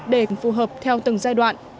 để phù hợp theo từng giai đoạn